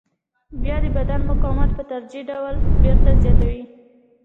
بیا د بدن مقاومت په تدریجي ډول بېرته زیاتوي.